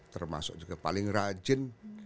termasuk juga paling rajin